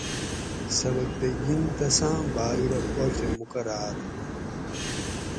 سبکتگین تساۤں باگ رہ باچہ مقراۤر ہوُ